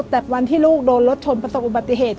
แต่วันที่ลูกโดนรถชนประสบอุบัติเหตุ